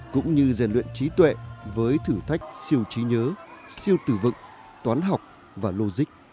cũng như rèn luyện trí tuệ với thử thách siêu trí nhớ siêu tử vựng toán học và lô dích